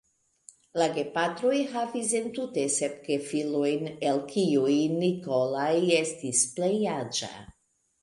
La gepatroj havis entute sep gefilojn, el kiuj "Nikolaj" estis plej aĝa.